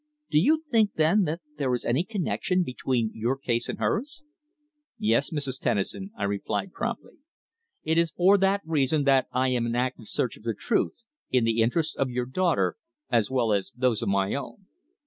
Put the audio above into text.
Do you think, then, that there is any connexion between your case and hers?" "Yes, Mrs. Tennison," I replied promptly. "It is for that reason I am in active search of the truth in the interests of your daughter, as well as of those of my own."